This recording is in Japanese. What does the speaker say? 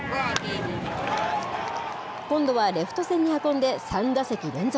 今度はレフト線に運んで、３打席連続。